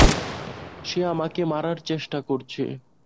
সে আমাকে মারার চেষ্টা করছে।